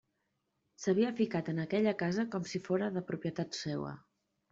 S'havia ficat en aquella casa com si fóra de propietat seua.